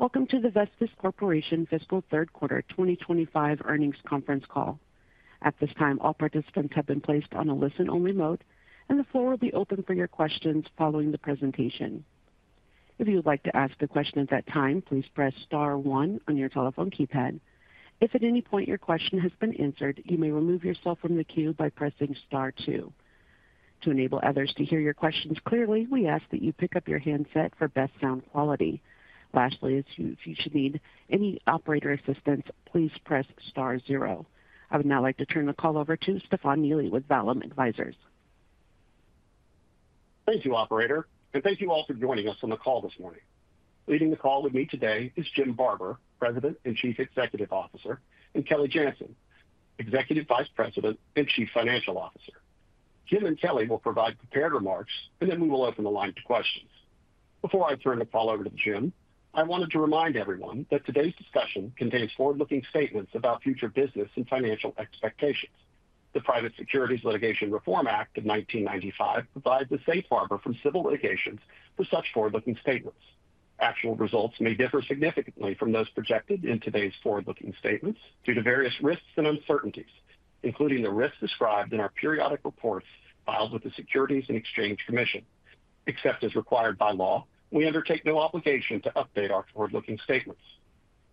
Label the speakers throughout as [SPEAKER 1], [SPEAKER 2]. [SPEAKER 1] Welcome to the Vestis Corporation Fiscal Third Quarter 2025 Earnings Conference Call. At this time, all participants have been placed on a listen-only mode, and the floor will be open for your questions following the presentation. If you would like to ask a question at that time, please press star one on your telephone keypad. If at any point your question has been answered, you may remove yourself from the queue by pressing star two. To enable others to hear your questions clearly, we ask that you pick up your handset for best sound quality. Lastly, if you should need any Operator assistance, please press star zero. I would now like to turn the call over to Stefan Neely with Vallum Advisors.
[SPEAKER 2] Thank you, Operator, and thank you all for joining us on the call this morning. Leading the call with me today is Jim Barber, President and Chief Executive Officer, and Kelly Janzen, Executive Vice President and Chief Financial Officer. Jim and Kelly will provide prepared remarks, and then we will open the line to questions. Before I turn the call over to Jim, I wanted to remind everyone that today's discussion contains forward-looking statements about future business and financial expectations. The Private Securities Litigation Reform Act of 1995 provides a safe harbor from civil litigations for such forward-looking statements. Actual results may differ significantly from those projected in today's forward-looking statements due to various risks and uncertainties, including the risks described in our periodic reports filed with the Securities and Exchange Commission. Except as required by law, we undertake no obligation to update our forward-looking statements.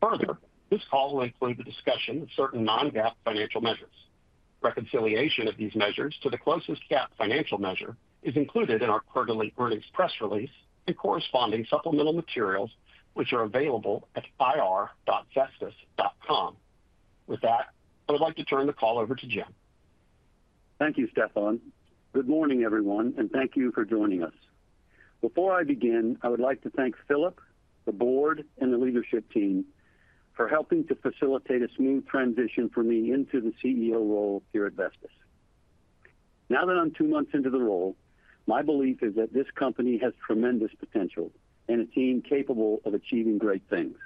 [SPEAKER 2] Further, this call will include the discussion of certain non-GAAP financial measures. Reconciliation of these measures to the closest GAAP financial measure is included in our quarterly earnings press release and corresponding supplemental materials, which are available at ir.vestis.com. With that, I would like to turn the call over to Jim.
[SPEAKER 3] Thank you, Stefan. Good morning, everyone, and thank you for joining us. Before I begin, I would like to thank Phillip, the Board, and the leadership team for helping to facilitate a smooth transition for me into the CEO role here at Vestis. Now that I'm two months into the role, my belief is that this company has tremendous potential and a team capable of achieving great things.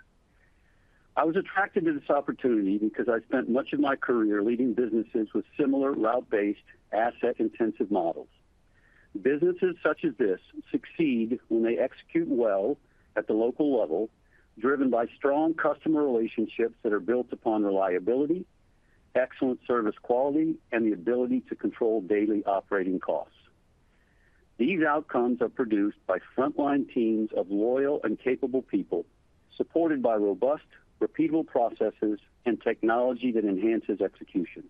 [SPEAKER 3] I was attracted to this opportunity because I spent much of my career leading businesses with similar route-based, asset-intensive models. Businesses such as this succeed when they execute well at the local level, driven by strong customer relationships that are built upon reliability, excellent service quality, and the ability to control daily operating costs. These outcomes are produced by frontline teams of loyal and capable people, supported by robust, repeatable processes and technology that enhances execution.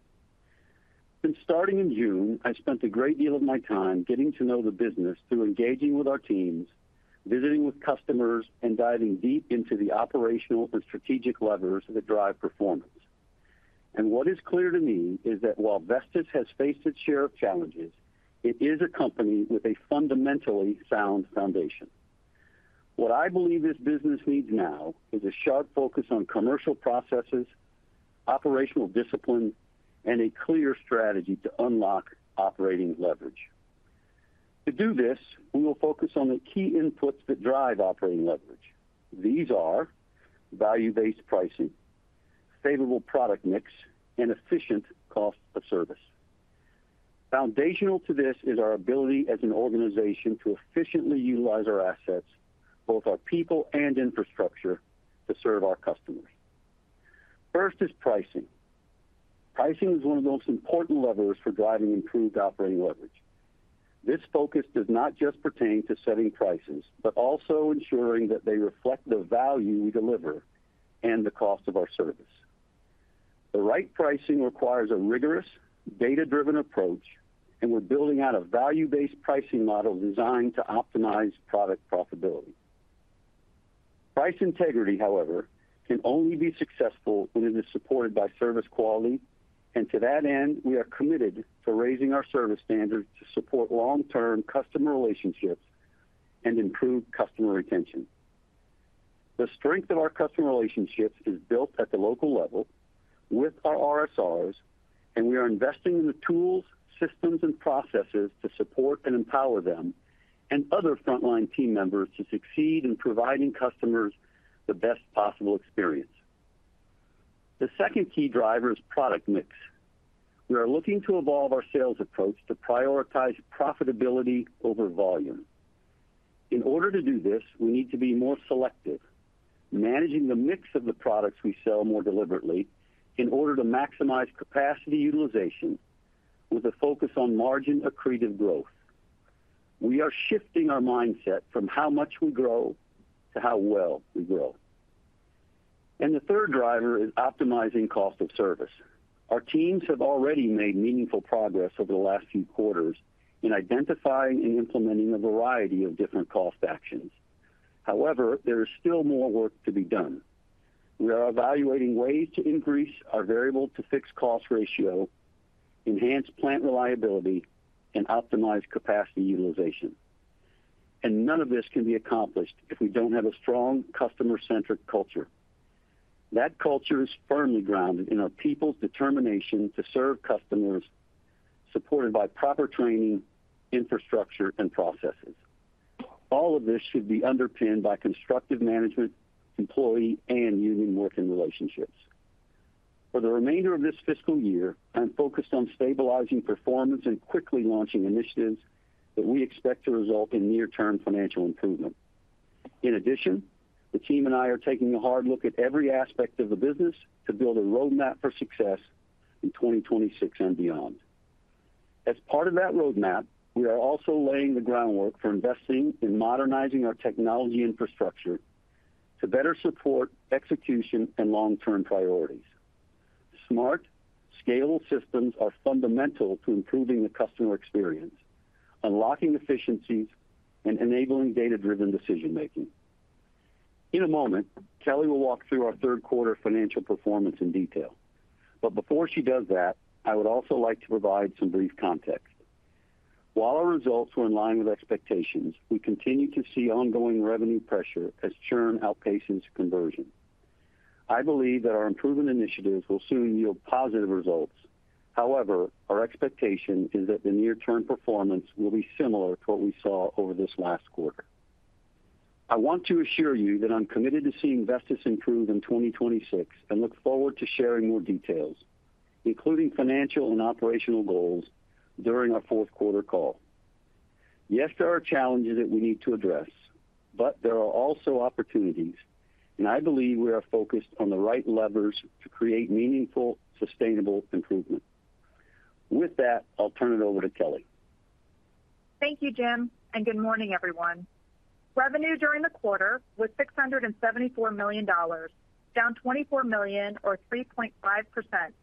[SPEAKER 3] Since starting in June, I spent a great deal of my time getting to know the business through engaging with our teams, visiting with customers, and diving deep into the operational and strategic levers that drive performance. What is clear to me is that while Vestis has faced its share of challenges, it is a company with a fundamentally sound foundation. What I believe this business needs now is a sharp focus on commercial processes, operational discipline, and a clear strategy to unlock operating leverage. To do this, we will focus on the key inputs that drive operating leverage. These are value-based pricing, favorable product mix, and efficient cost of service. Foundational to this is our ability as an organization to efficiently utilize our assets, both our people and infrastructure, to serve our customers. First is pricing. Pricing is one of the most important levers for driving improved operating leverage. This focus does not just pertain to setting prices, but also ensuring that they reflect the value we deliver and the cost of our service. The right pricing requires a rigorous, data-driven approach, and we're building out a value-based pricing model designed to optimize product profitability. Price integrity, however, can only be successful when it is supported by service quality. To that end, we are committed to raising our service standards to support long-term customer relationships and improve customer retention. The strength of our customer relationships is built at the local level with our RSRs, and we are investing in the tools, systems, and processes to support and empower them and other frontline team members to succeed in providing customers the best possible experience. The second key driver is product mix. We are looking to evolve our sales approach to prioritize profitability over volume. In order to do this, we need to be more selective, managing the mix of the products we sell more deliberately in order to maximize capacity utilization with a focus on margin-accretive growth. We are shifting our mindset from how much we grow to how well we grow. The third driver is optimizing cost of service. Our teams have already made meaningful progress over the last few quarters in identifying and implementing a variety of different cost actions. However, there is still more work to be done. We are evaluating ways to increase our variable to fixed cost ratio, enhance plant reliability, and optimize capacity utilization. None of this can be accomplished if we don't have a strong customer-centric culture. That culture is firmly grounded in our people's determination to serve customers, supported by proper training, infrastructure, and processes. All of this should be underpinned by constructive management, employee, and union working relationships. For the remainder of this fiscal year, I'm focused on stabilizing performance and quickly launching initiatives that we expect to result in near-term financial improvement. In addition, the team and I are taking a hard look at every aspect of the business to build a roadmap for success in 2026 and beyond. As part of that roadmap, we are also laying the groundwork for investing in modernizing our technology infrastructure to better support execution and long-term priorities. Smart, scalable systems are fundamental to improving the customer experience, unlocking efficiencies, and enabling data-driven decision-making. In a moment, Kelly will walk through our third quarter financial performance in detail. Before she does that, I would also like to provide some brief context. While our results were in line with expectations, we continue to see ongoing revenue pressure as churn outpaces conversion. I believe that our improvement initiatives will soon yield positive results. However, our expectation is that the near-term performance will be similar to what we saw over this last quarter. I want to assure you that I'm committed to seeing Vestis improve in 2026 and look forward to sharing more details, including financial and operational goals, during our fourth quarter call. Yes, there are challenges that we need to address, but there are also opportunities, and I believe we are focused on the right levers to create meaningful, sustainable improvement. With that, I'll turn it over to Kelly.
[SPEAKER 4] Thank you, Jim, and good morning, everyone. Revenue during the quarter was $674 million, down $24 million or 3.5%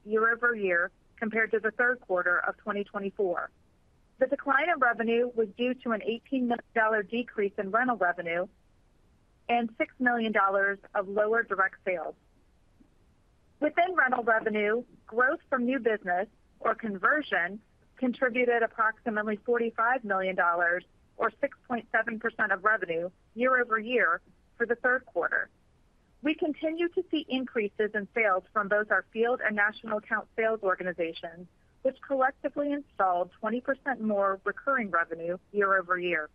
[SPEAKER 4] year-over-year compared to the third quarter of 2024. The decline in revenue was due to an $18 million decrease in rental revenue and $6 million of lower direct sales. Within rental revenue, growth from new business, or conversion, contributed approximately $45 million or 6.7% of revenue year-over-year for the third quarter. We continue to see increases in sales from both our field and national account sales organizations, which collectively installed 20% more recurring revenue year-over-year.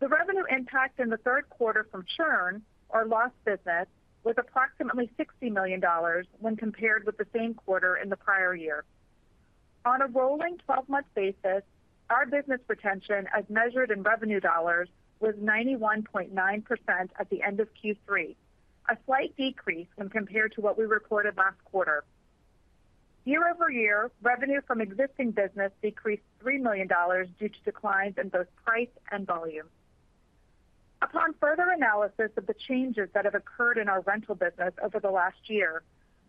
[SPEAKER 4] The revenue impact in the third quarter from churn or lost business was approximately $60 million when compared with the same quarter in the prior year. On a rolling 12-month basis, our business retention, as measured in revenue dollars, was 91.9% at the end of Q3, a slight decrease when compared to what we reported last quarter. Year-over-year, revenue from existing business decreased $3 million due to declines in both price and volume. Upon further analysis of the changes that have occurred in our rental business over the last year,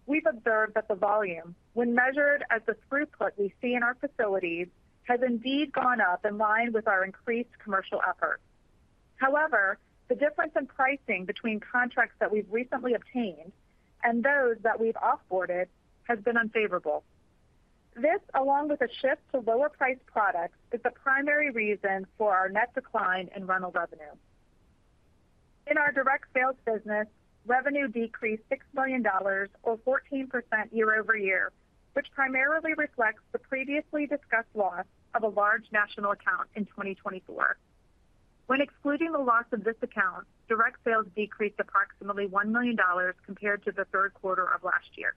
[SPEAKER 4] we've observed that the volume, when measured as the throughput we see in our facilities, has indeed gone up in line with our increased commercial effort. However, the difference in pricing between contracts that we've recently obtained and those that we've offboarded has been unfavorable. This, along with a shift to lower-priced products, is the primary reason for our net decline in rental revenue. In our direct sales business, revenue decreased $6 million or 14% year-over-year, which primarily reflects the previously discussed loss of a large national account in 2024. When excluding the loss of this account, direct sales decreased approximately $1 million compared to the third quarter of last year.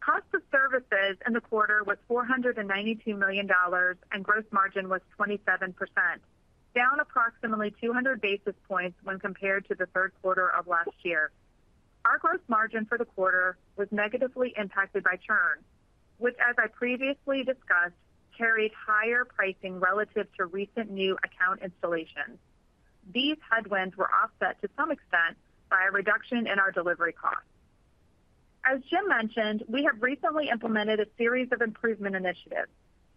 [SPEAKER 4] Cost of services in the quarter was $492 million, and gross margin was 27%, down approximately 200 basis points when compared to the third quarter of last year. Our gross margin for the quarter was negatively impacted by churn, which, as I previously discussed, carried higher pricing relative to recent new account installations. These headwinds were offset to some extent by a reduction in our delivery costs. As Jim mentioned, we have recently implemented a series of improvement initiatives,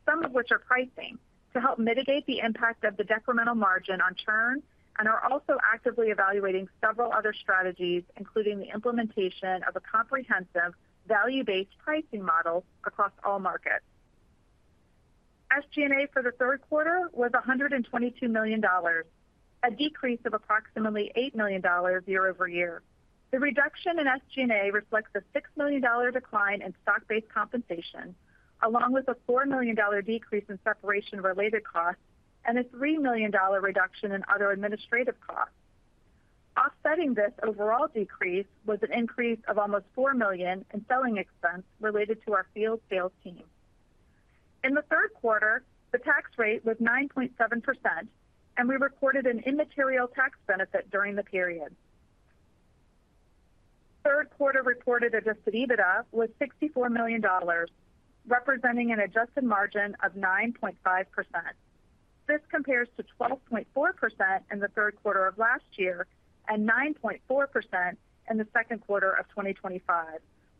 [SPEAKER 4] some of which are pricing, to help mitigate the impact of the decremental margin on churn and are also actively evaluating several other strategies, including the implementation of a comprehensive value-based pricing model across all markets. SG&A for the third quarter was $122 million, a decrease of approximately $8 million year-over-year. The reduction in SG&A reflects a $6 million decline in stock-based compensation, along with a $4 million decrease in separation-related costs and a $3 million reduction in other administrative costs. Offsetting this overall decrease was an increase of almost $4 million in selling expense related to our field sales team. In the third quarter, the tax rate was 9.7%, and we recorded an immaterial tax benefit during the period. Third quarter reported adjusted EBITDA was $64 million, representing an adjusted margin of 9.5%. This compares to 12.4% in the third quarter of last year and 9.4% in the second quarter of 2025,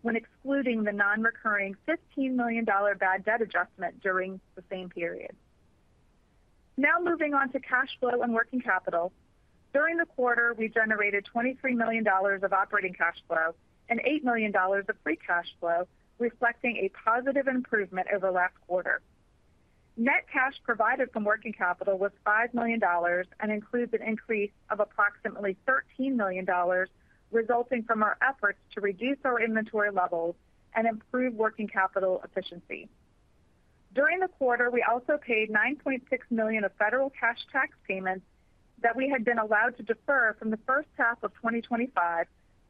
[SPEAKER 4] when excluding the non-recurring $15 million bad debt adjustment during the same period. Now moving on to cash flow and working capital. During the quarter, we generated $23 million of operating cash flow and $8 million of free cash flow, reflecting a positive improvement over the last quarter. Net cash provided from working capital was $5 million and includes an increase of approximately $13 million, resulting from our efforts to reduce our inventory levels and improve working capital efficiency. During the quarter, we also paid $9.6 million of federal cash tax payments that we had been allowed to defer from the first half of 2025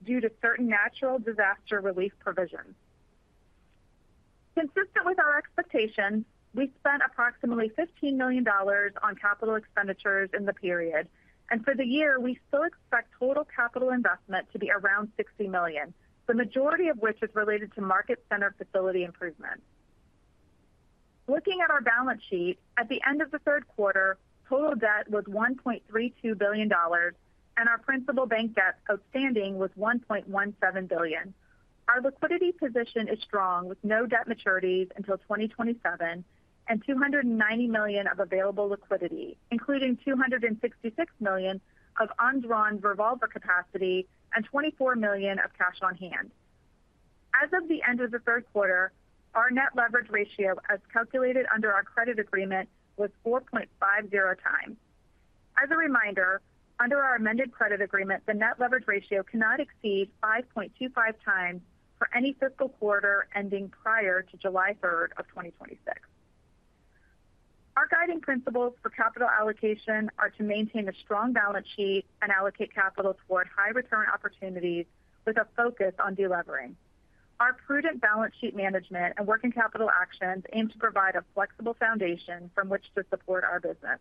[SPEAKER 4] due to certain natural disaster relief provisions. Consistent with our expectations, we spent approximately $15 million on capital expenditures in the period, and for the year, we still expect total capital investment to be around $60 million, the majority of which is related to market-centered facility improvement. Looking at our balance sheet, at the end of the third quarter, total debt was $1.32 billion, and our principal bank debt outstanding was $1.17 billion. Our liquidity position is strong, with no debt maturities until 2027 and $290 million of available liquidity, including $266 million of undrawn revolver capacity and $24 million of cash on hand. As of the end of the third quarter, our net leverage ratio, as calculated under our credit agreement, was 4.50x. As a reminder, under our amended credit agreement, the net leverage ratio cannot exceed 5.25x for any fiscal quarter ending prior to July 3rd, 2026. Our guiding principles for capital allocation are to maintain a strong balance sheet and allocate capital toward high-return opportunities with a focus on delevering. Our prudent balance sheet management and working capital actions aim to provide a flexible foundation from which to support our business.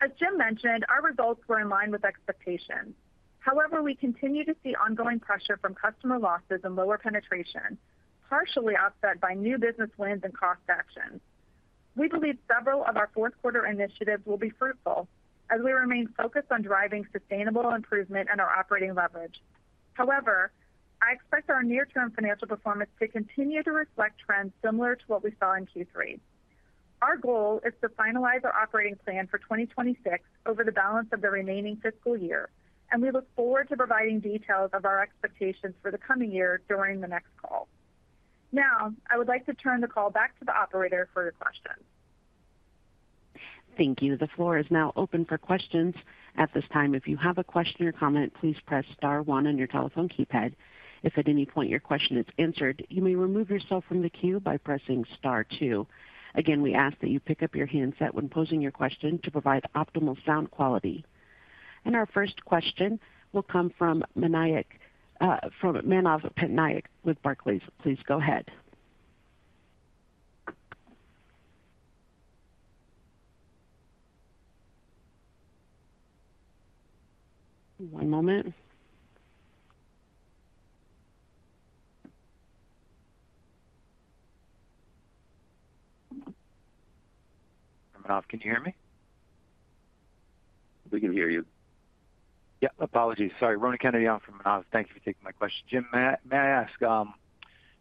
[SPEAKER 4] As Jim mentioned, our results were in line with expectations. However, we continue to see ongoing pressure from customer losses and lower penetration, partially offset by new business wins and cost actions. We believe several of our fourth quarter initiatives will be fruitful as we remain focused on driving sustainable improvement in our operating leverage. However, I expect our near-term financial performance to continue to reflect trends similar to what we saw in Q3. Our goal is to finalize our operating plan for 2026 over the balance of the remaining fiscal year, and we look forward to providing details of our expectations for the coming year during the next call. Now, I would like to turn the call back to the Operator for your question.
[SPEAKER 1] Thank you. The floor is now open for questions. At this time, if you have a question or comment, please press star one on your telephone keypad. If at any point your question is answered, you may remove yourself from the queue by pressing star two. Again, we ask that you pick up your handset when posing your question to provide optimal sound quality. Our first question will come from Manav Patnaik with Barclays. Please go ahead. One moment.
[SPEAKER 5] For Manav, can you hear me?
[SPEAKER 3] We can hear you.
[SPEAKER 5] Apologies. Sorry. Ronan Kennedy on for Manav. Thank you for taking my question. Jim, may I ask,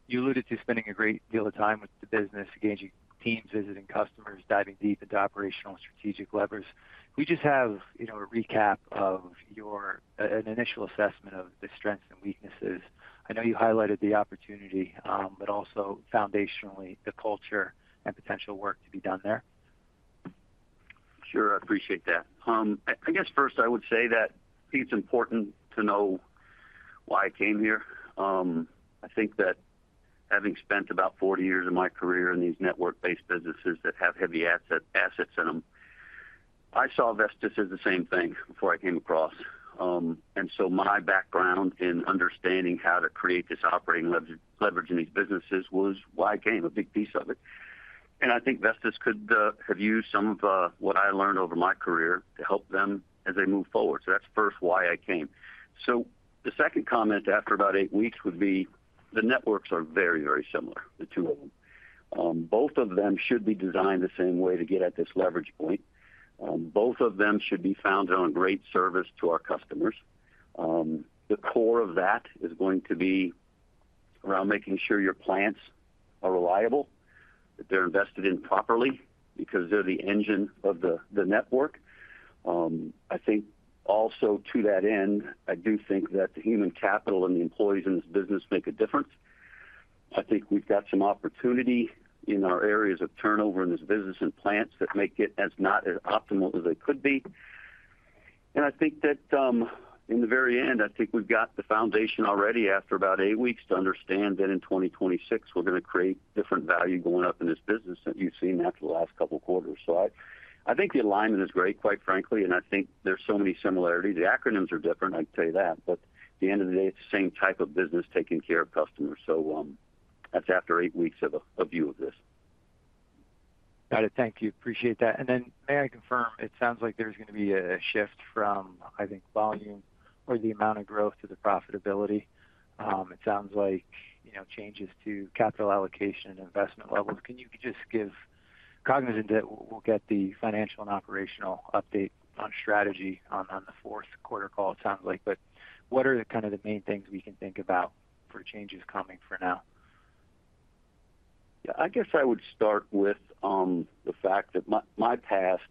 [SPEAKER 5] you alluded to spending a great deal of time with the business, engaging teams, visiting customers, diving deep into operational and strategic levers. Could we just have a recap of your initial assessment of the strengths and weaknesses? I know you highlighted the opportunity, but also foundationally, the culture and potential work to be done there.
[SPEAKER 3] Sure, I appreciate that. I guess first I would say that I think it's important to know why I came here. I think that having spent about 40 years of my career in these network-based businesses that have heavy assets in them, I saw Vestis as the same thing before I came across. My background in understanding how to create this operating leverage in these businesses was why I came, a big piece of it. I think Vestis could have used some of what I learned over my career to help them as they move forward. That's first why I came. The second comment after about eight weeks would be the networks are very, very similar, the two of them. Both of them should be designed the same way to get at this leverage point. Both of them should be founded on great service to our customers. The core of that is going to be around making sure your plants are reliable, that they're invested in properly because they're the engine of the network. I think also to that end, I do think that the human capital and the employees in this business make a difference. I think we've got some opportunity in our areas of turnover in this business and plants that make it as not as optimal as it could be. I think that in the very end, I think we've got the foundation already after about eight weeks to understand that in 2026, we're going to create different value going up in this business that you've seen after the last couple of quarters. I think the alignment is great, quite frankly, and I think there's so many similarities. The acronyms are different, I can tell you that, but at the end of the day, it's the same type of business taking care of customers. That's after eight weeks of a view of this.
[SPEAKER 5] Got it. Thank you. Appreciate that. May I confirm, it sounds like there's going to be a shift from, I think, volume or the amount of growth to the profitability. It sounds like, you know, changes to capital allocation and investment levels. Can you just give, cognizant that we'll get the financial and operational update on strategy on the fourth quarter call, it sounds like, what are the kind of the main things we can think about for changes coming for now?
[SPEAKER 3] Yeah, I guess I would start with the fact that my past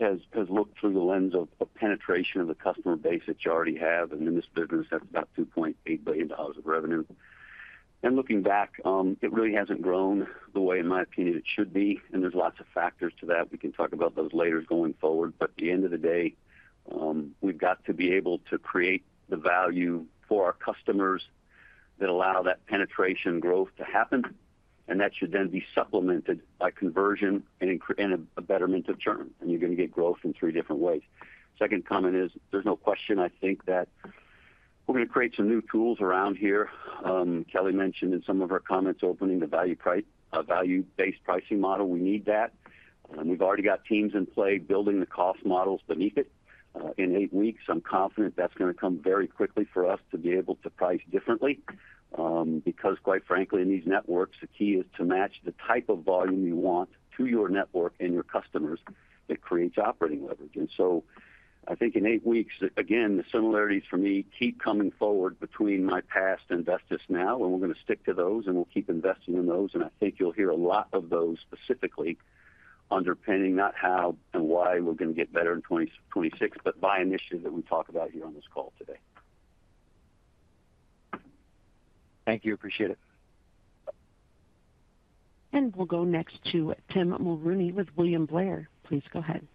[SPEAKER 3] has looked through the lens of penetration of the customer base that you already have, and then this business has about $2.8 billion of revenue. Looking back, it really hasn't grown the way, in my opinion, it should be, and there's lots of factors to that. We can talk about those later going forward. At the end of the day, we've got to be able to create the value for our customers that allow that penetration growth to happen. That should then be supplemented by conversion and a betterment of churn. You're going to get growth in three different ways. Second comment is there's no question, I think, that we're going to create some new tools around here. Kelly mentioned in some of her comments opening the value-based pricing model. We need that. We've already got teams in play building the cost models beneath it. In eight weeks, I'm confident that's going to come very quickly for us to be able to price differently. Quite frankly, in these networks, the key is to match the type of volume you want to your network and your customers that creates operating leverage. I think in eight weeks, again, the similarities for me keep coming forward between my past and Vestis now, and we're going to stick to those, and we'll keep investing in those. I think you'll hear a lot of those specifically underpinning not how and why we're going to get better in 2026, but by an issue that we talk about here on this call today.
[SPEAKER 5] Thank you. Appreciate it.
[SPEAKER 1] We will go next to Tim Mulrooney with William Blair. Please go ahead.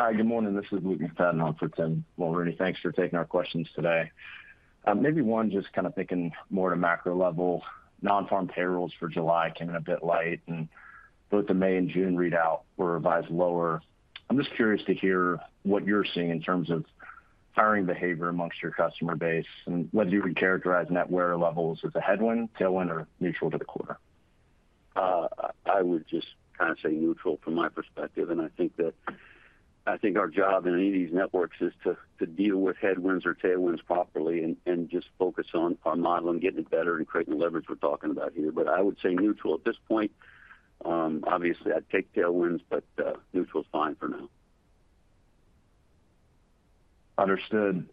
[SPEAKER 6] Hi, good morning. This is Luke McFadden for Tim Mulrooney. Thanks for taking our questions today. Maybe one just kind of thinking more at a macro level, non-farm payrolls for July came in a bit light, and both the May and June readout were revised lower. I'm just curious to hear what you're seeing in terms of hiring behavior amongst your customer base and whether you would characterize net wear levels as a headwind, tailwind, or neutral to the quarter.
[SPEAKER 3] I would just say neutral from my perspective. I think our job in any of these networks is to deal with headwinds or tailwinds properly and just focus on our model, getting it better, and creating the leverage we're talking about here. I would say neutral at this point. Obviously, I'd take tailwinds, but neutral is fine for now.
[SPEAKER 6] Understood.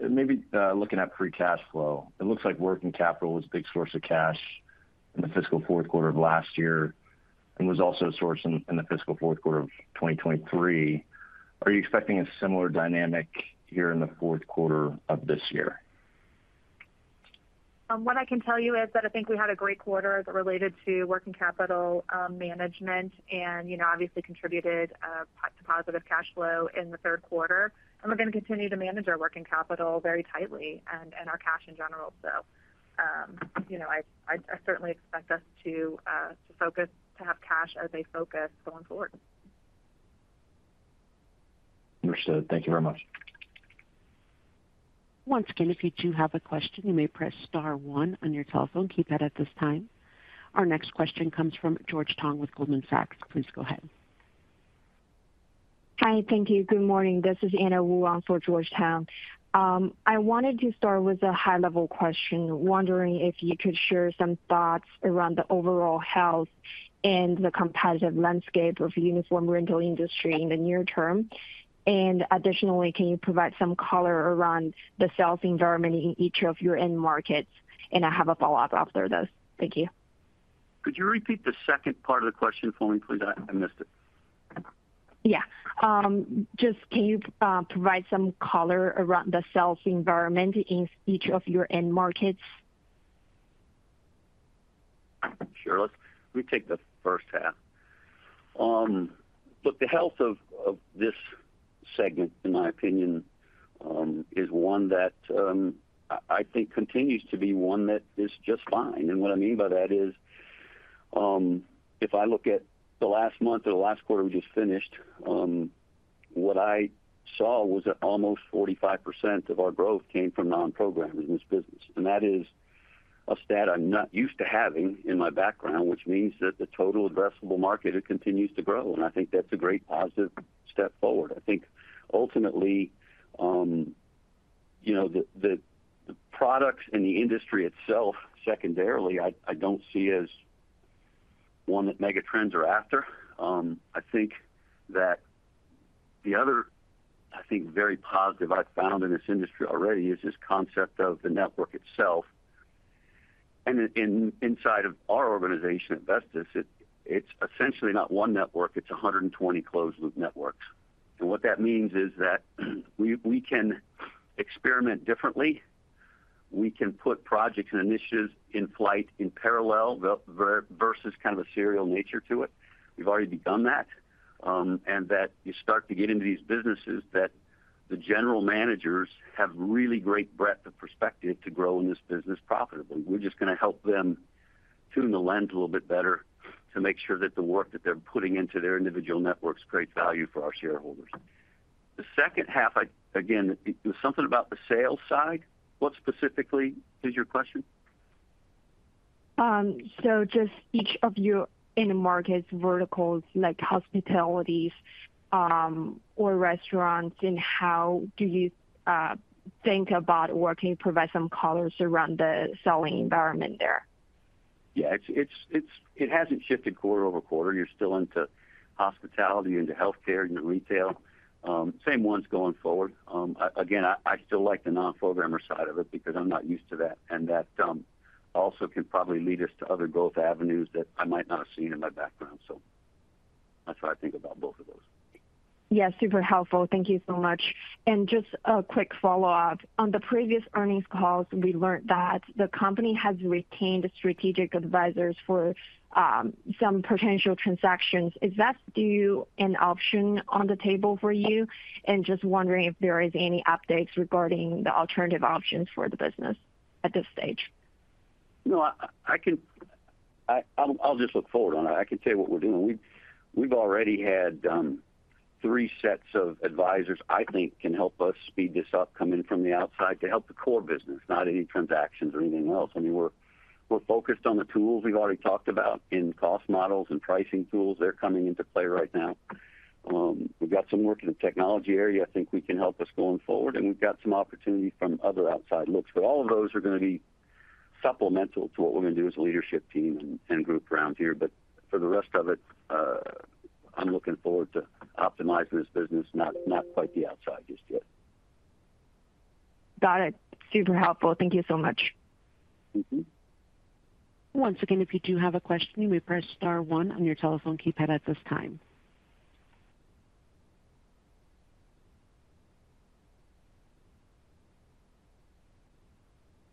[SPEAKER 6] Maybe looking at free cash flow, it looks like working capital was a big source of cash in the fiscal fourth quarter of last year and was also a source in the fiscal fourth quarter of 2023. Are you expecting a similar dynamic here in the fourth quarter of this year?
[SPEAKER 4] What I can tell you is that I think we had a great quarter that related to working capital management, and obviously contributed to positive cash flow in the third quarter. We're going to continue to manage our working capital very tightly and our cash in general. I certainly expect us to have cash as a focus going forward.
[SPEAKER 6] Understood. Thank you very much.
[SPEAKER 1] Once again, if you do have a question, you may press star one on your telephone keypad at this time. Our next question comes from George Tong with Goldman Sachs. Please go ahead.
[SPEAKER 7] Hi. Thank you. Good morning. This is Anna Wu on for George Tong. I wanted to start with a high-level question, wondering if you could share some thoughts around the overall health and the competitive landscape of the uniform rental industry in the near term? Additionally, can you provide some color around the sales environment in each of your end markets? I have a follow-up after this. Thank you.
[SPEAKER 3] Could you repeat the second part of the question for me, please? I missed it.
[SPEAKER 7] Yeah, just can you provide some color around the sales environment in each of your end markets?
[SPEAKER 3] Sure. Let's retake the first half. Look, the health of this segment, in my opinion, is one that I think continues to be one that is just fine. What I mean by that is, if I look at the last month or the last quarter we just finished, what I saw was that almost 45% of our growth came from non-programmers in this business. That is a stat I'm not used to having in my background, which means that the total addressable market continues to grow. I think that's a great positive step forward. I think, ultimately, the products and the industry itself, secondarily, I don't see as one that megatrends are after. I think that the other, very positive I've found in this industry already is this concept of the network itself. Inside of our organization at Vestis, it's essentially not one network. It's 120 closed-loop networks. What that means is that we can experiment differently. We can put projects and initiatives in flight in parallel versus a serial nature to it. We've already begun that. You start to get into these businesses that the general managers have really great breadth of perspective to grow in this business profitably. We're just going to help them tune the lens a little bit better to make sure that the work that they're putting into their individual networks creates value for our shareholders. The second half, again, it was something about the sales side. What specifically is your question?
[SPEAKER 7] Each of your end markets' verticals, like hospitalities or restaurants, and how do you think about working to provide some colors around the selling environment there?
[SPEAKER 3] Yeah, it hasn't shifted quarter over quarter. You're still into hospitality, into healthcare, into retail. Same ones going forward. I still like the non-programmer side of it because I'm not used to that. That also could probably lead us to other growth avenues that I might not have seen in my background. That's how I think about both of those.
[SPEAKER 7] Yeah, super helpful. Thank you so much. Just a quick follow-up. On the previous earnings calls, we learned that the company has retained strategic advisors for some potential transactions. Is that due an option on the table for you? And just wondering if there are any updates regarding the alternative options for the business at this stage?
[SPEAKER 3] No, I'll just look forward on that. I can tell you what we're doing. We've already had three sets of advisors I think can help us speed this up coming from the outside to help the core business, not any transactions or anything else. We're focused on the tools we've already talked about in cost models and pricing tools. They're coming into play right now. We've got some work in the technology area. I think we can help us going forward. We've got some opportunity from other outside looks. All of those are going to be supplemental to what we're going to do as a leadership team and group around here. For the rest of it, I'm looking forward to optimizing this business, not quite the outside just yet.
[SPEAKER 7] Got it. Super helpful. Thank you so much.
[SPEAKER 1] Once again, if you do have a question, you may press star one on your telephone keypad at this time.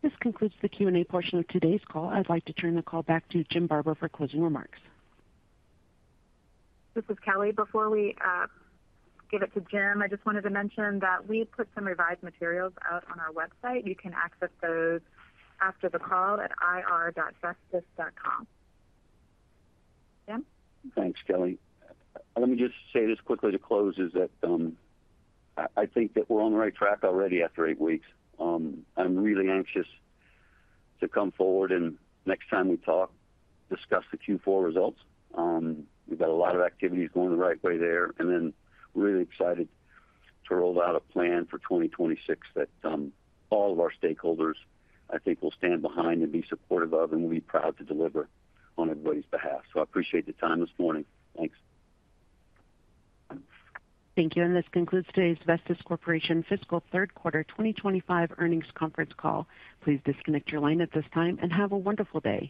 [SPEAKER 1] This concludes the Q&A portion of today's call. I'd like to turn the call back to Jim Barber for closing remarks.
[SPEAKER 4] This is Kelly. Before we give it to Jim, I just wanted to mention that we put some revised materials out on our website. You can access those after the call at ir.vestis.com. Jim?
[SPEAKER 3] Thanks, Kelly. Let me just say this quickly to close, I think that we're on the right track already after eight weeks. I'm really anxious to come forward and next time we talk, discuss the Q4 results. We've got a lot of activities going the right way there. We're really excited to roll out a plan for 2026 that all of our stakeholders, I think, will stand behind and be supportive of and be proud to deliver on everybody's behalf. I appreciate the time this morning. Thanks.
[SPEAKER 1] Thank you. This concludes today's Vestis Corporation Fiscal Third Quarter 2025 Earnings Conference Call. Please disconnect your line at this time and have a wonderful day.